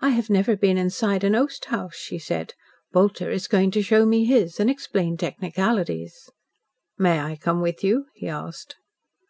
"I have never been inside an oast house," she said; "Bolter is going to show me his, and explain technicalities." "May I come with you?" he asked.